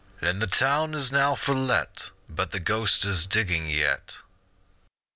And the town is now for let, But the ghost is digging yet.